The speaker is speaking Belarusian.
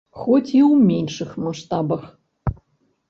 Хоць і ў меншых маштабах.